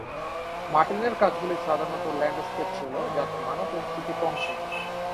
মার্টিনের কাজগুলি সাধারণত ল্যান্ডস্কেপ ছিল যাতে মানব উপস্থিতি কম ছিল।